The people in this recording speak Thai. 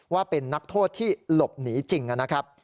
ว่าเป็นนักโทษที่หลบหนีจริงนะครับ